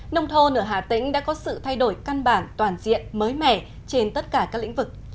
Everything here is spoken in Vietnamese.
nông thôn ở hà tĩnh đã có sự thay đổi căn bản toàn diện mới mẻ trên tất cả các lĩnh vực